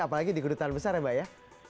apalagi di kedutaan besar ya mbak ya